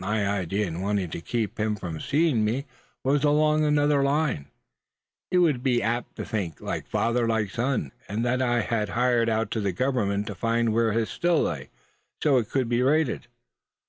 My idea in wanting to keep him from seeing me was along another line, suh. He would be apt to think 'like father, like son;' and that I had hired out to the Government to find where his Still lay, so it could be raided.